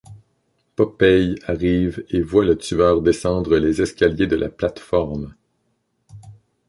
Popeye arrive et voit le tueur descendre les escaliers de la plate-forme.